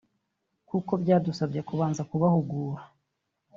kuko byadusabye kubanza kubahugura